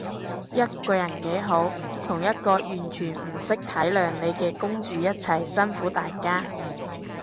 一個人幾好，同一個完全唔識體諒你嘅公主一齊，辛苦大家